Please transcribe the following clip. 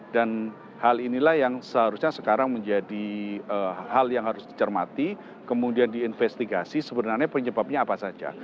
dan hal inilah yang seharusnya sekarang menjadi hal yang harus dicermati kemudian diinvestigasi sebenarnya penyebabnya apa saja